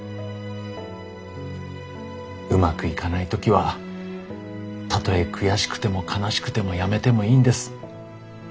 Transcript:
うまくいかない時はたとえ悔しくても悲しくてもやめてもいいんです。